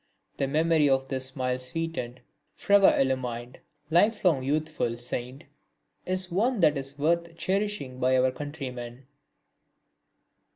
The memory of this smile sweetened fervour illumined lifelong youthful saint is one that is worth cherishing by our countrymen.